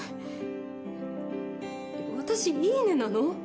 私、いいねなの？